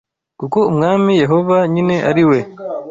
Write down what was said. Kuko Umwami Yehova nyine ari we